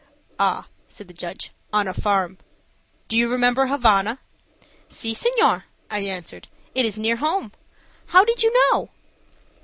"Ah," said the judge, "on a farm. Do you remember Havana?" "Si, senor," I answered; "it is near home. How did you know?"